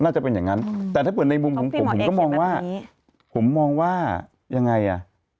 จะเป็นอย่างนั้นแต่ถ้าเปิดในมุมของผมผมก็มองว่าผมมองว่ายังไงอ่ะ